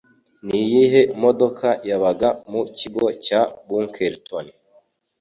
Niyihe modoka Yabaga mu Kigo cya Bunkerton